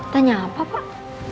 tanya apa pak